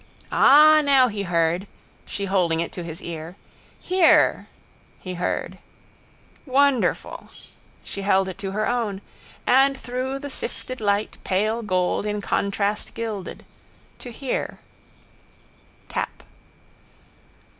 Ah, now he heard, she holding it to his ear. Hear! He heard. Wonderful. She held it to her own. And through the sifted light pale gold in contrast glided. To hear. Tap.